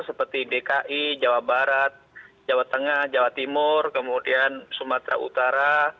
seperti dki jawa barat jawa tengah jawa timur kemudian sumatera utara